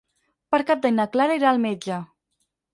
Per Cap d'Any na Clara irà al metge.